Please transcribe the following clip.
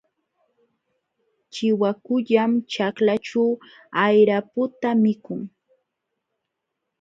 Chiwakullam ćhaklaaćhu ayraputa mikun.